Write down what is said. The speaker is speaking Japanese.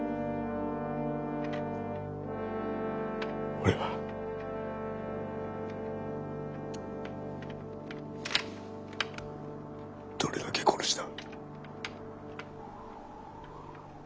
俺はどれだけ殺した？